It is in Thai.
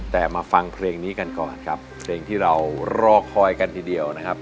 แต่มาฟังเพลงนี้กันก่อนครับเพลงที่เรารอคอยกันทีเดียวนะครับ